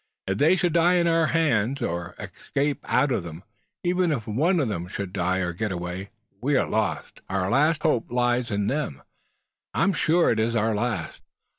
If they should die in our hands, or escape out of them even if one of them should die or get away we are lost. Our last hope lies in them. I am sure it is our last."